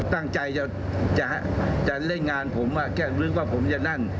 ตั้งใจจะเล่นงานผมแค่นึกว่าผมจะนั่น